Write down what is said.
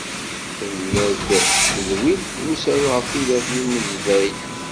Tella-d tedwilt n usaru ɣef tudert n unazbay.